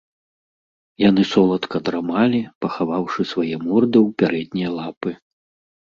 Яны соладка драмалі, пахаваўшы свае морды ў пярэднія лапы.